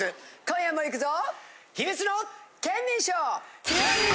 今夜もいくぞ！